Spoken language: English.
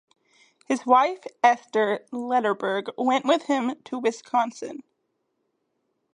His wife Esther Lederberg went with him to Wisconsin.